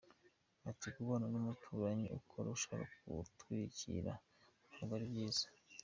Ati “Kubana n’umuturanyi uhora ushaka kugutwikira ntabwo ari byiza.